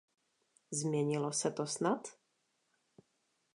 Změnilo se to snad?